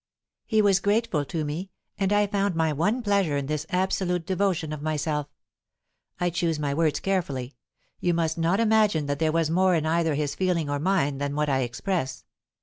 He was grateful to me, and I found my one pleasure in this absolute devotion of myself. I choose my words carefully; you must not imagine that there was more in either his feeling or mine than what I express.